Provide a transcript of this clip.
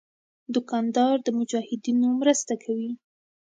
دوکاندار د مجاهدینو مرسته کوي.